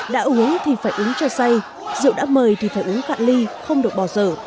đã uống thì phải uống cho say rượu đã mời thì phải uống cạn ly không được bỏ dở